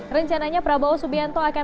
rencananya prabowo subianto akan